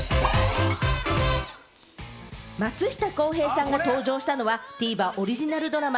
松下洸平さんが登場したのはＴＶｅｒオリジナルドラマ『